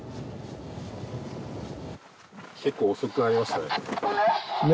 結構遅くなりましたね。